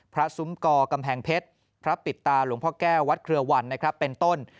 พระสุมกรกำแห่งเพชรพระปิดตาหลวงพ่อแก้ววัดเครือวันเป็นต้น